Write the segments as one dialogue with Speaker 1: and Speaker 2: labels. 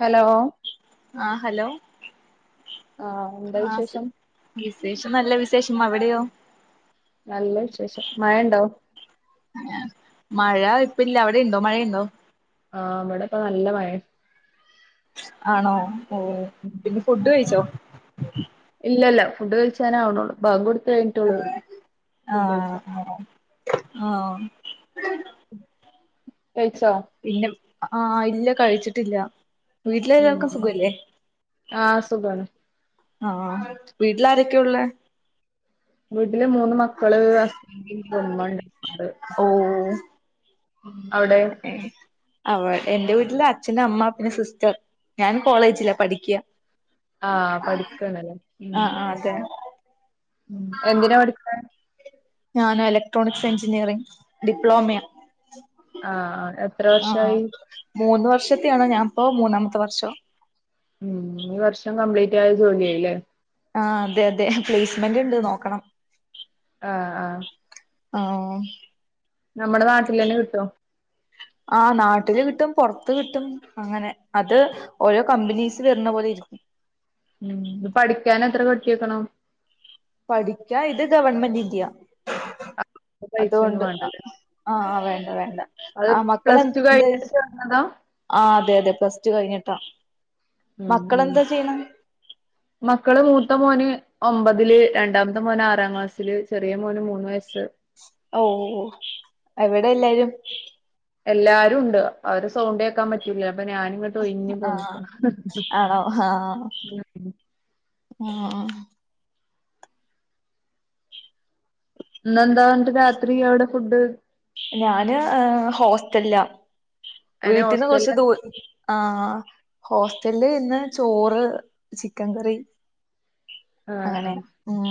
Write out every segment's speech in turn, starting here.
Speaker 1: Hello?
Speaker 2: ആഹ് hello
Speaker 1: ആഹ് എന്താ
Speaker 2: ആഹ്
Speaker 1: വിശേഷം
Speaker 2: സുഖാ വിശേഷം നല്ല വിശേഷം അവിടെയോ?
Speaker 1: നല്ല വിശേഷം മഴ ഇണ്ടോ?
Speaker 2: മഴ ഇപ്പ ഇല്ല അവിടെ ണ്ടോ മഴയിണ്ടോ?
Speaker 1: ആഹ് ഇവിടിപ്പം നല്ല മഴയി
Speaker 2: ആണോ ഓഹ് പിന്നെ ഫുഡ് കഴിച്ചോ?
Speaker 1: ഇല്ലല്ല ഫുഡ് കഴിച്ചാനാവണെള്ളൂ ബാങ്ക് കഴിഞ്ഞിട്ടുള്ളൂ ഫുഡ് കഴിച്ചോ
Speaker 2: ആഹ് ഓഹ്
Speaker 1: കഴിച്ചോ?
Speaker 2: പിന്നെ ആഹ് ഇല്ല കഴിച്ചിട്ടില്ല. വീട്ടിലെല്ലാവർക്കും സുഖല്ലേ
Speaker 1: ആഹ് സുഖാണ്.
Speaker 2: ആഹ് വീട്ടിലാരൊക്കെയു ള്ളെ.
Speaker 1: വീട്ടില് മൂന്ന് മക്കള് ഹസ്ബൻഡ് ന്റെ ഉമ്മ
Speaker 2: ഓ
Speaker 1: അവിടെ
Speaker 2: അവടെ എന്റെ വീട്ടില് അച്ഛൻ, അമ്മ പിന്നെ സിസ്റ്റർ. ഞനും കോളേജില പഠിക്ക്യ
Speaker 1: ആഹ് പഠിക്കാണല്ലേ
Speaker 2: ആഹ് ആഹ് അതെ
Speaker 1: ഉം എന്തിനാ പഠിക്കണേ?
Speaker 2: ഞാനാ ഇലക്ട്രോണിക്സ് എഞ്ചിനീയറിംഗ് ഡിപ്ലോമയ.
Speaker 1: ആഹ് ആകെ എത്ര
Speaker 2: ആഹ്
Speaker 1: വർഷായി.
Speaker 2: മൂന്ന് വർഷത്തെയാണ് ഞാൻപ്പോ മൂന്നാമത്തെ വർഷം.
Speaker 1: ഉം ഈ വർഷം കംപ്ലീറ്റ് ആയ ജോലി ആയില്ലേ?
Speaker 2: ആഹ് അതെ അതെ പ്ലേസ്മെന്റ് ഇണ്ട് നോക്കണം.
Speaker 1: ആഹ് ആഹ്
Speaker 2: ആഹ്
Speaker 1: നമ്മടെ നാട്ടിലന്നെ കിട്ടോ?
Speaker 2: ആ് നാട്ടില് കിട്ടും പുറത്ത് കിട്ടും. അങ്ങനെ അത് ഓരോ കമ്പനീസ് വരുന്ന പോലെ ഇരിക്കും.
Speaker 1: ഉം ഇത് പഠിക്കാൻ എത്രകെട്ടി വെക്കണം.
Speaker 2: പഠിക്കാൻ ഇത് ഗവൺമെന്റിന്റ് ഇല്ല
Speaker 1: പൈസയൊന്നും
Speaker 2: അതുകൊണ്ട്.
Speaker 1: വേണ്ടല്ലേ
Speaker 2: ആഹ വേണ്ട വേണ്ട.
Speaker 1: അത്
Speaker 2: ആഹ്
Speaker 1: പ്ലസ് ടു കഴിഞ്ഞിട്ട് ചേർന്നതാ.
Speaker 2: ആ അതെ അതെ പ്ലസ് ടു കഴിഞ്ഞിട്ടാ.
Speaker 1: ഉ ഉ
Speaker 2: മക്കളെന്താ ചെയ്യണെ
Speaker 1: മക്കള് മൂത്തമോന്. ഒമ്പതില് രണ്ടാമത്തെ മോന് ആറാം ക്ലാസ്സില് ചെറിയ മോന് മൂന്ന് വയസ്സ്.
Speaker 2: ഓ എവിടെ എല്ലാരും.
Speaker 1: എല്ലാരും ഉണ്ട് അവര് സൗണ്ട് കേക്കാൻ പറ്റുല അപ്പൊ ഞാന് ഇങ്ങ ട്ട് ഓയിഞ്ഞു
Speaker 2: ആഹ്
Speaker 1: പോന്ന്‌ക്കാണ്.
Speaker 2: ആണോ ആ ആ.
Speaker 1: ഇന്നാന്താ എന്നിട്ട് രാത്രി അവിടെ ഫുഡ്.
Speaker 2: ഞാന് ഹെ ഹോസ്റ്റലില
Speaker 1: അങ്ങനെ
Speaker 2: വീട്ടിന്ന് കുറച്ച്
Speaker 1: ഹോസ്റ്റലില്
Speaker 2: ദൂ ആഹ ഹോസ്റ്റലില് ഇന്ന് ചോറ് ചിക്കൻ കറി.
Speaker 1: ആഹ്
Speaker 2: അങ്ങനെ
Speaker 1: ആഹ്
Speaker 2: ഉം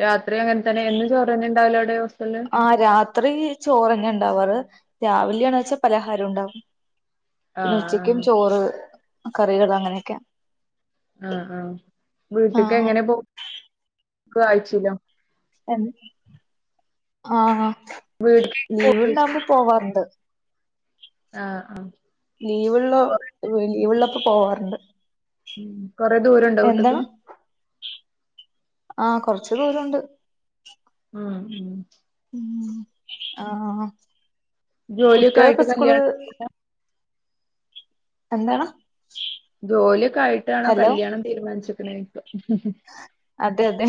Speaker 1: രാത്രി അങ്ങൻതന്നെ എന്നും ചോറന്നെണ്ടാവല് അവിടെഹോസ്റ്റലില്.
Speaker 2: ആ രാത്രി ചോറന്നെ ഉണ്ടാവാറ് രാവിലെയ ആണവെച്ചാ പലഹാരം ഉണ്ടാവും. പിന്നെ ഉച്ചക്കും
Speaker 1: ആഹ്
Speaker 2: ചോറ് കറികൾ അങ്ങനെയൊക്കാ.
Speaker 1: ആഹ ആഹ വീട്ട്ക്ക്
Speaker 2: ആഹ്
Speaker 1: എങ്ങനെ പോക്ക് ആയിച്ചില്ലോ.
Speaker 2: യെന്ദ് ആഹ ലീവ്
Speaker 1: വീട്ട്ക്ക്
Speaker 2: ഉണ്ടാവുമ്പോ. പോവാറുണ്ട്.
Speaker 1: ആഹ ആഹ.
Speaker 2: ലീവുള്ള ലീവള്ളപ്പോ പോവാറുണ്ട്.
Speaker 1: ഉം കൊറെ ദൂരണ്ടോ വീട്ക്ക്.
Speaker 2: എന്താണ് ആഹ കുറച്ചു ദൂരോണ്ട്.
Speaker 1: ഉം ഉം.
Speaker 2: ഉ ആ
Speaker 1: ജോലിയൊക്കെ ആയിട്ട്
Speaker 2: കുട്ട്യോളൊക്കെ സ്കൂള്.
Speaker 1: കല്യാണം
Speaker 2: എന്താണ്.
Speaker 1: ജോലിയൊക്കെ ആയിട്ടാണോ
Speaker 2: ഹലോ
Speaker 1: കല്യാണം തീരുമാനിച്ക്ണ് ചെയ്ക
Speaker 2: അതെ അതെ.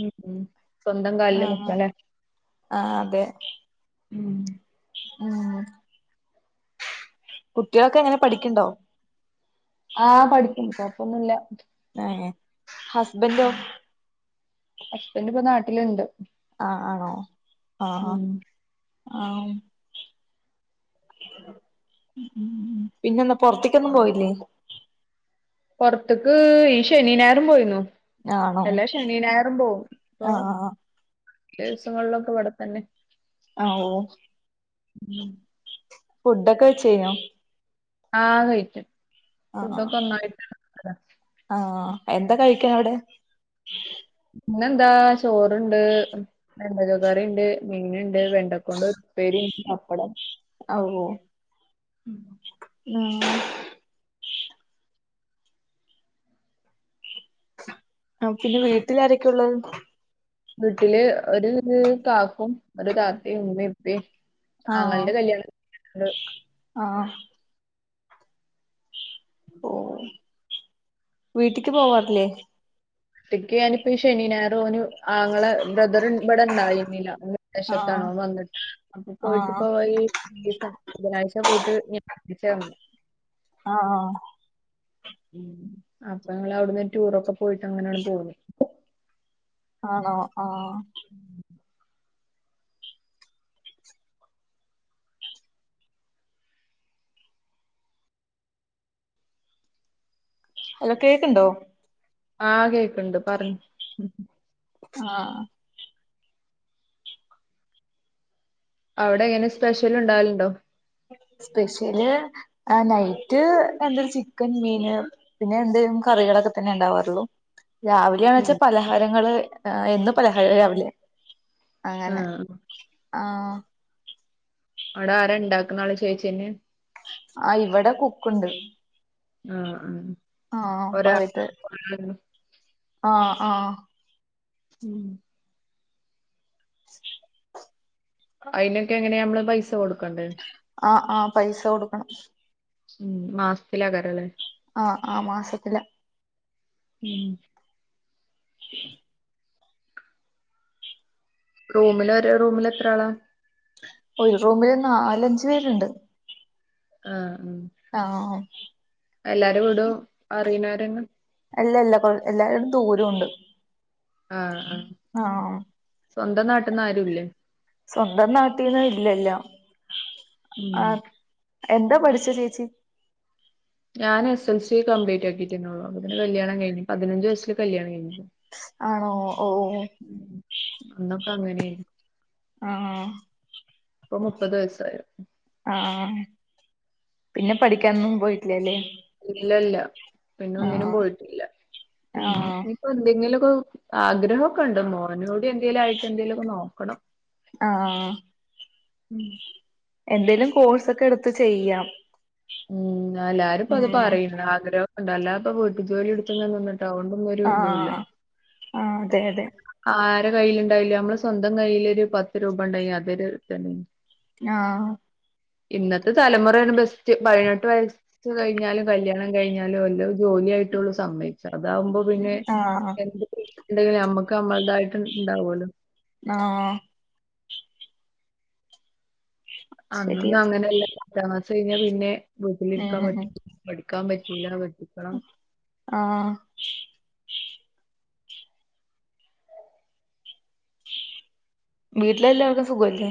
Speaker 1: ഉം ഉം സ്വന്തം കാലിൽ
Speaker 2: ആഹ്
Speaker 1: നിൽക്കല്ലേ
Speaker 2: ആഹ് അതെ
Speaker 1: ഉം.
Speaker 2: ഉം. കുട്ട്യോളൊക്കെ എങ്ങനെ പഠിക്ണ്ടോ.
Speaker 1: ആഹ് പഠിക്കും കൊഴപ്പൊന്നുല്ല.
Speaker 2: ന്നാ യേ.
Speaker 1: മ് അസ്ബന്റ് ഇപ്പൊ നാട്ടില്ണ്ട്.
Speaker 2: ആ ആണോ ആഹ
Speaker 1: ഉം
Speaker 2: ആഹ ആം. ഉ ഉം പിന്നെന്നാ പൊറത്ക്കൊന്നും പോയില്ലേ?
Speaker 1: പൊറത്ക്ക് ഈ ശെനിം ഞായറും പോയിന്നു.
Speaker 2: ആണോ
Speaker 1: എല്ലാ ശനിനായറും പോവും
Speaker 2: ആഹ് ആഹ്
Speaker 1: ഇപ്പൊചെലെ ദിവസങ്ങളിലൊക്കെ ഇവിടെത്തന്നെ.
Speaker 2: ആ ഓ.
Speaker 1: ഉം.
Speaker 2: ഫുഡ്ഒക്കെ വെച് കഴിഞ്ഞോ?
Speaker 1: ആഹ കഴിച്ചു.
Speaker 2: ആണെ എന്താ കഴികാൻ അവിടെ.
Speaker 1: ഇന്നെന്താ ചോറ്ണ്ട് വെണ്ടക്ക കറിണ്ട്. മീൻണ്ട് വെണ്ടക്കൊണ്ടൊരു ഉപ്പേരിം പപ്പടം
Speaker 2: ന്നാം. ആ പിന്നെ വീട്ടിലാരെക്കെ ഉള്ളത്
Speaker 1: വീട്ടില് ഒരു കാക്കും ഒരു താത്തിം ഉമ്മീം ഉപ്പിം
Speaker 2: ആഹ്
Speaker 1: ആങ്ങൾന്റെ കല്യാണം കഴിഞ്ഞിക്ക്ണ്
Speaker 2: ആഹ് ഓഹ് വീട്ടിക്ക് പോവാറില്ലേ?
Speaker 1: ട്ടിക്ക് ഞാനിപ്പ ഈ ശനി, ഞായറും ഓന് ആങ്ങള ബ്രദറ് ഇബടെ ഇണ്ടായിരുന്നില്ല
Speaker 2: ആഹ്
Speaker 1: വിദേശത്താണ് ഓം വന്നിട്ട് അപ്പൊ
Speaker 2: ആഹ്
Speaker 1: പോയിട്ടിപ്പോ ഈ [unintelligible] ബുധനാഴ്ച പോയിട്ട് [unintelligible]
Speaker 2: ആഹ് ആ
Speaker 1: ഉം അപ്പ ഞങ്ങള് അവിട്ന്ന് റ്റൂറൊക്കെ പോയിട്ട് അങ്ങനേണ് പോന്നു
Speaker 2: ആണോ ആഹ്
Speaker 1: ഉം
Speaker 2: ഹലോ കേക്ക്ണ്ടോ?
Speaker 1: ആഹ് കേക്ക്ണ്ട് പറഞ്ഞോ
Speaker 2: ആഹ്
Speaker 1: അവിടെ എങ്ങനെ സ്പെഷ്യൽ ഇണ്ടാവൽണ്ടോ?
Speaker 2: സ്പെഷ്യല് നൈറ്റ് എന്തരു ചിക്കൻ, മീന് പിന്നെ എന്തേലും കറികളൊക്കെ തന്നെ ഇണ്ടാവാറൊള്ളു. രാവിലെയാണ വെച്ചാ
Speaker 1: ഉം.
Speaker 2: പലഹാരങ്ങള് എന്ന് പലഹാര രാവിലെ
Speaker 1: ആ
Speaker 2: അങ്ങനെ ആഹ്
Speaker 1: അവ്ടെ ആരാ ഇണ്ടാക്ക്ണ ആള് ചേച്ചിയെന്നെ
Speaker 2: ആ ഇവിടെ കുക്കുണ്ട്.
Speaker 1: ഉം ഉം
Speaker 2: ആ
Speaker 1: ഒരാൾ [inaudible]
Speaker 2: ആഹ് ആഹ്
Speaker 1: ഉം അയിനൊക്കെ എങ്ങനെ ഞമ്മള് പൈസ കൊടുക്കണ്ടേ?
Speaker 2: ആഹ് ആ പൈസ കൊടുക്കണം.
Speaker 1: ഉം മാസത്തിലാക്കാരല്ലേ.
Speaker 2: ആഹ് ആ മാസത്തില.
Speaker 1: ഉം റൂമില് ഒര് റൂമില് എത്ര ആളാ?
Speaker 2: ഒരു റൂമില് നാലഞ്ച് പേര്ണ്ട്.
Speaker 1: ആഹ് ഉം
Speaker 2: ആഹ്
Speaker 1: എല്ലാരെ വീടും അറീണോരന്നെ
Speaker 2: അല്ല അല്ല കൊറെ എല്ലാരോടും ദൂരൊ ഉണ്ട്
Speaker 1: ആഹ് ആ
Speaker 2: ആഹ്
Speaker 1: സ്വന്തം നാട്ട്ന്ന് ആരുല്ലേ?
Speaker 2: സ്വന്തം നാട്ടീന്ന് ഇല്ലല്ല. ആ എന്താ പഠിച്ചെ ചേച്ചി?
Speaker 1: ഞാന് എസ് എൽ സി കംപ്ലീറ്റ് ആക്കിറ്റെന്നെ ഒള്ളു അപ്പത്തിന് കല്യാണം കഴിഞ്ഞു പതിനഞ്ച് വയസില് കല്യാണം കഴിഞ്ഞിക്ക്ണ്
Speaker 2: ആണോ ഓഹ്
Speaker 1: ഉം അന്നൊക്കെ അങ്ങനെയ്നി
Speaker 2: ആണോ
Speaker 1: ഇപ്പൊ മുപ്പത് വയസ്സായി.
Speaker 2: ആഹ് പിന്നെ പഠിക്കാനൊന്നും പോയിട്ടില്ലല്ലേ?
Speaker 1: ഇല്ലല്ല, പിന്നെ ഒന്നിനും
Speaker 2: ആഹ്
Speaker 1: പോയിട്ടില്ല. പിന്നെ
Speaker 2: ആഹ്
Speaker 1: ഇപ്പ എന്തെങ്കിലുമൊക്കെ ആഗ്രഹൊ ക്കെ ഉണ്ട്. മോനോടി എന്തെങ്കലും ആയിട്ട് എന്തേങ്കിലുക്കെ നോക്കണം.
Speaker 2: ആഹ്.
Speaker 1: ഉം.
Speaker 2: എന്തേലും കോഴ്സ് ഒക്കെ എടുത്ത് ചെയ്യാം.
Speaker 1: ഉം എല്ലാരും ഇപ്പ അത്
Speaker 2: ഉം
Speaker 1: പറയുന്ന. ആഗ്രഹം ഉണ്ട് അല്ലാ ഇപ്പൊ വീട്ടു ജോലി എടുത്ത് [unintelligible] നിന്നിട്ട് അതുകൊണ്ടുന്നുരു ഇതുല്ല.
Speaker 2: ആഹ് ആഹ് അതെ അതെ
Speaker 1: ആര കൈയിലുണ്ടായിലും നമ്മള് സ്വന്തം കൈയ്യില് ഒരു പത്ത് രൂപ ഉണ്ടങ്കിൽ അതൊരു ഇതെന്നേണ്.
Speaker 2: ആ.
Speaker 1: ഇന്നത്തെ തലമുറയാണ് ബസ് റ്റ് പതിനെട്ട് വയസ് കഴിഞ്ഞാലും കല്യാണം കഴിഞ്ഞാലും വല്ല ജോലിയായിട്ടോളു സമ്മയ് ചെറുതാവുമ്പോ പിന്നെ
Speaker 2: ആഹ്
Speaker 1: എന്തങ്കി എന്ത്ങ്കിലും നമ്മക്ക് നമ്മളതായിട്ടും ഇണ്ടാവുല്ലോ.
Speaker 2: ആഹ്.
Speaker 1: അന്നൊന്നും
Speaker 2: ശരിയാ
Speaker 1: അങ്ങനെ ഇല്ല. പത്താം ക്ലാസ് കഴിഞ്ഞാ പിന്നെ വീട്ടിലിരിക്കാൻ
Speaker 2: ഉം
Speaker 1: പറ്റും. പഠിക്കാൻ പറ്റൂല കെട്ടിക്കണം.
Speaker 2: ആഹ്. വീട്ടില് എല്ലാവർക്കും സുഖല്ലേ?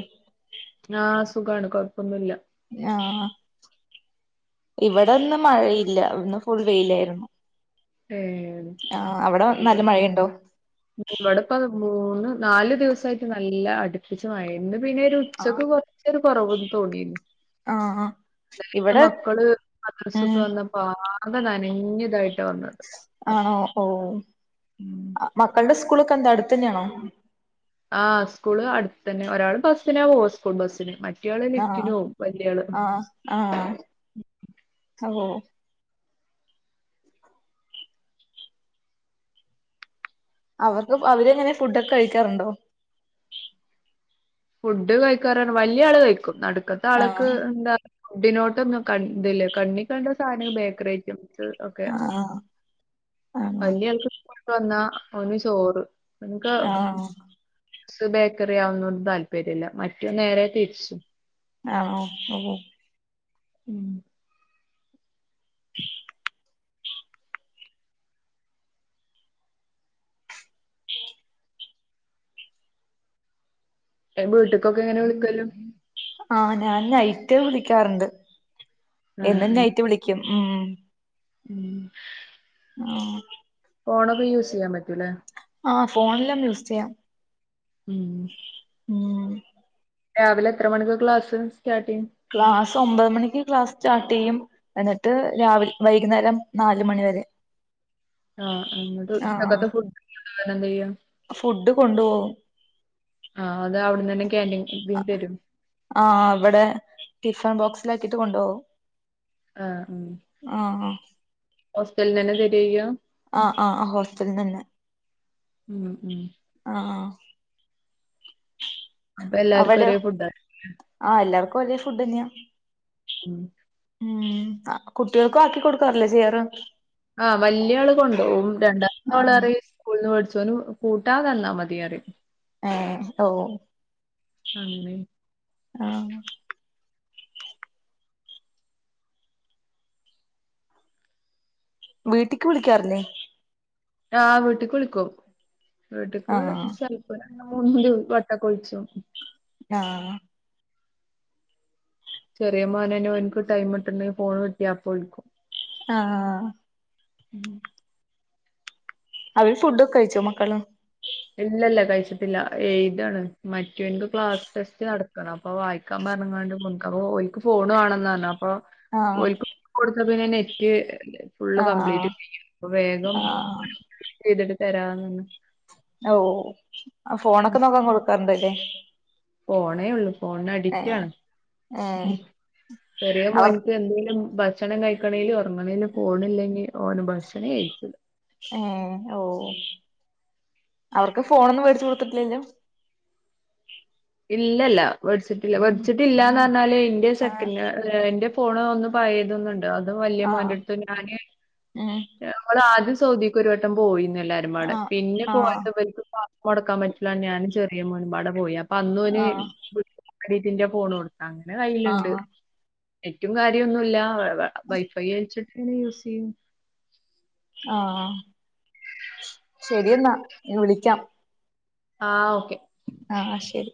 Speaker 1: ആ സുഖാണ് കൊഴപ്പൊന്നുല്ല.
Speaker 2: ഞ്ഞാ ആഹ്. ഇവിടെ ഒന്നും മഴയില്ല, ഇന്ന് ഫുൾ വെയിലായിരുന്നു.
Speaker 1: ഉം.
Speaker 2: ആ അവിടെ നല്ല മഴയുണ്ടോ?
Speaker 1: ഇവിടപ്പ മൂന്ന് നാല് ദിവസായിട്ട് മഴയില്ല അടു പ്പിച്ച് മഴയാര്ന്ന്. ഇന്ന്പ്പാ ഇനി ഒരു ഉച്ചക്ക്
Speaker 2: ആഹ്
Speaker 1: കുറച്ച് ഒരു കുറവ് തോന്നിരുന്നു.
Speaker 2: ആഹ് ഇവിടെ
Speaker 1: മക്കള്, മദ്റസ
Speaker 2: ഉം
Speaker 1: വിട്ട് വന്നപ്പ ആകെ നനഞ്ഞ് ഇതായിട്ടാ വന്നത്.
Speaker 2: ആണോ ഓ. അ മക്കളുടെ സ്കൂളൊക്കെ എന്താ അടുത്ത് തന്നെയാണോ?
Speaker 1: ആഹാ സ്കൂള് അടുത്ത് തന്നെ ഒരാള് ബസ്സിനാ പോവാ സ്കൂൾ ബസ്സിന് മറ്റ്
Speaker 2: ആഹ് അ ആഹ് ഒ ഓ. അവർക്ക് അവര് ഇങ്ങനെ ഫുഡ് ഒക്കെ കഴിക്കാറുണ്ടോ?
Speaker 1: ഫുഡ് കഴിക്കാറാണ് വല്യ ആള് കയ്ക്കും. നടുക്കത്തെ ആള്ക്ക്
Speaker 2: ആഹ്
Speaker 1: എന്താ, ഫുഡിനോട്ടൊന്നും കണ്ടില്ല കണ്ണിക്കണ്ട സാധന ബേക്കറി ഐറ്റം സ് ഒക്കെ.
Speaker 2: ആഹ് ആണോ
Speaker 1: വല്യ ആൾക്ക് ങ്ങോട്ട് വന്നാ ഓന് ചോറ്. നമുക്ക്
Speaker 2: ആഹ്
Speaker 1: ബേക്കറി അതൊന്നും താല്പര്യല്ല. മറ്റേ നേരെ തിരിച്ചും.
Speaker 2: ആഹ് ആ അതെ.
Speaker 1: ഉം
Speaker 2: [inaudible]
Speaker 1: ഏ വീട്ട്ക്കൊക്കെ എങ്ങനെ വിളിക്കല്?
Speaker 2: ആഹ് ഞാൻ നൈറ്റ് വിളിക്കാറുണ്ട്.
Speaker 1: ആ
Speaker 2: എന്നും നൈറ്റ് വിളിക്കും ഉം.
Speaker 1: ഉം
Speaker 2: ആ.
Speaker 1: ഫോണൊക്കെ യൂസ് ചെയ്യാൻ പറ്റൂല്ലെ.
Speaker 2: ആഹ് ഫോണെല്ലാം യൂസ് ചെയ്യാം.
Speaker 1: ഉം
Speaker 2: ഉം
Speaker 1: രാവിലെ എത്ര മണിക്ക് ക്ലാസ് സ്റ്റാർട്ട് ചെയ്യും
Speaker 2: ക്ലാസ് ഒമ്പത് മണിക്ക് ക്ലാസ് സ്റ്റാർട്ട് ചെയ്യും എന്നിട്ട് രാവിൽ വൈകുന്നേരം നാല് മണിവരെ
Speaker 1: ആഹാ എന്നിട്ട് ഉചക്കത്ത് ഫുഡ് ന്ത് ചെയ്യ
Speaker 2: ഫുഡ് കൊണ്ട് പോകും
Speaker 1: ആഹാ അത് അവിടന്ന് തന്നെ ക്യാൻറിൻ ബീൻ തരും
Speaker 2: ആഹാ അവിടെ ടിഫാൻ ബോക്സിലക്കിട്ട് കൊണ്ട് പോകും
Speaker 1: ആഹ ഉം
Speaker 2: ആഹ്
Speaker 1: ഹോസ്റ്റലിൽ തന്നെ തരേ ചെയ്യ
Speaker 2: ആഹ് ആഹ് ആഹ് ഹോസ്റ്റലിൽ തന്നെ
Speaker 1: ഉം ഉം
Speaker 2: ആഹ് ആഹ്
Speaker 1: അപ്പൊ എല്ലാർക്കും ഒരേ ഫുഡ്
Speaker 2: ആഹ് എല്ലാർക്കും ഒരേ ഫുഡ് തന്നെയാ
Speaker 1: ഉം
Speaker 2: ഉം കുട്ടികൾക്കും ആക്കി കൊടുക്കാറില്ലേ ചെയ്യാറ്
Speaker 1: ആഹ വല്യ ആൾ കൊണ്ടോു പോവും രണ്ടാമത്തെ
Speaker 2: ആ
Speaker 1: ആൾ പറയും സ്കൂൾന്ന് മേടിച്ചോളും കൂട്ടാൻ തന്നാ മതി പറി
Speaker 2: ഏഹ് ട്ടോ
Speaker 1: അങ്ങനെ
Speaker 2: ആഹ് വീട്ടിക്ക് വിളിക്കാറില്ലേ
Speaker 1: ആഹ് വീട്ടക്ക് വിളിക്കും
Speaker 2: ആ
Speaker 1: വീട്ടക്ക് ചെല [unintelligible] വട്ടക്കൊഴിച്ചു
Speaker 2: ആഹ്
Speaker 1: ചെറിയ മോനന് എനിക്ക് ടൈം ഇട്ടണ്ടെ ഫോണ് കിട്ടിയപ്പോ വിളിക്കും
Speaker 2: ആഹ്
Speaker 1: ഉം
Speaker 2: അവര് ഫുഡ്ക്കെ കഴിച്ചോ മക്കള്
Speaker 1: ഇല്ല ഇല്ല കഴിച്ചിട്ടില്ല എഴുതാണ് മറ്റൊന്ക്ക് ക്ലാസ് ടെസ്റ്റ് നടത്തണം അപ്പൊ വായിക്കാൻ പറഞ്ഞാണ്ട് ക്ക് ഫോൺ വണന്ന് പറഞ്ഞ അപ്പൊ
Speaker 2: ആ
Speaker 1: ഒൾക്ക് കൊടുത്ത പിന്നെ നെറ്റ് ഫുള്ള്
Speaker 2: ആ
Speaker 1: കംപ്ലീറ്റ് തീരും വേഗം
Speaker 2: ആ
Speaker 1: ചെയ്തിട്ട് തരാന്ന്
Speaker 2: ഓ ഫോണൊക്കെ നോക്കാൻ കൊടുക്കാറുണ്ട്ല്ലേ
Speaker 1: ഫോണേ ഉള്ളൂ ഫോണ് അഡിക്റ്റാണ്
Speaker 2: ഏ
Speaker 1: ചെറിയ
Speaker 2: അവർ
Speaker 1: മോൾക്ക്‌ എന്തലും ഭക്ഷണം കഴിക്കണേലും ഉറങ്ങണേലും ഫോണില്ലെങ്കിൽ ഓന ഭക്ഷണേ കഴിക്കുല
Speaker 2: ഉം ഓ അവർക്ക് ഫോണൊന്നും മേടിച്ചു കൊടുത്തിട്ടില്ലല്ലോ
Speaker 1: ഇല്ലല്ല വേടിച്ചിട്ടില്ല വേടിച്ചിട്ടില്ലന്ന് പറഞ്ഞാല് ഇന്റെ
Speaker 2: ആ
Speaker 1: സെക്കൻഡ് എന്റെ ഫോണഒന്ന് പയതണ്ട് അതും വലിയ
Speaker 2: ആ
Speaker 1: മോൻടുത്ത് പറഞ്ഞാല്
Speaker 2: ഉം
Speaker 1: ഞങ്ങൾ ആദ്യം സൗദിക്ക് ഒരു വട്ടം പോയിന്ന എല്ലാരും പാടെ
Speaker 2: ആ
Speaker 1: പിന്നെ
Speaker 2: ആ
Speaker 1: പോയപത്ത മുടക്കാൻ പറ്റില്ല ഞാൻ ചെറിയ മുൻപാടെ പോയി അപ്പൊ അന്ന് ഓൻ
Speaker 2: ആ
Speaker 1: ആരീത്തിന്റെ ഫോൺ കൊടുത്ത അങ്ങനെ കയ്യിലുണ്ട് നെറ്റ് കാര്യൊന്നുല്ല വൈഫൈ അഴിച്ചിട്ട് യൂസ് ചെയ്യും
Speaker 2: ആഹ് ശരിന്നാ ഞാൻ വിളിക്കാം
Speaker 1: ആഹ് ഓക്കെ
Speaker 2: ആഹ് ശരി